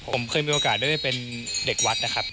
ผมเคยมีโอกาสได้เป็นเด็กวัดนะครับ